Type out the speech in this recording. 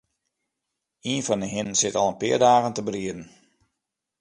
Ien fan 'e hinnen sit al in pear dagen te brieden.